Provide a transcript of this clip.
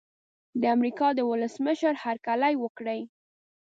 د امریکا د ولسمشر هرکلی وکړي.